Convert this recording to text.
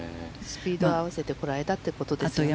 スピードを合わせてこられたということですね。